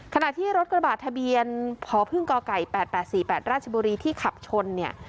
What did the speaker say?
ขณะที่รถกระบาดทะเบียนพพ๘๘๔๘ราชบุรีที่ขับชนเนี่ย